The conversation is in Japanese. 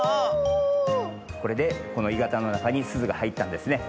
これでこのいがたのなかにすずがはいったんですね。